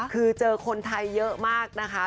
คือเจอคนไทยเยอะมากนะคะ